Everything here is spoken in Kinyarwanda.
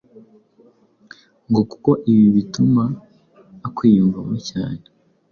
ngo kuko ibi bituma akwiyumvamo cyane,